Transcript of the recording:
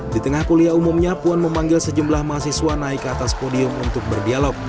di tengah kuliah umumnya puan memanggil sejumlah mahasiswa naik ke atas podium untuk berdialog